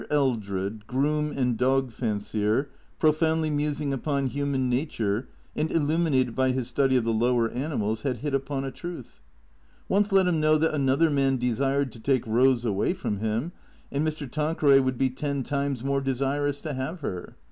ELDEED, groom and dog fancier, profoundly musing upon human nature and illuminated by his study of the lower animals, had hit upon a truth. Once let him know that another man desired to take Eose away from him and Mr. Tan queray would be ten times more desirous to have her.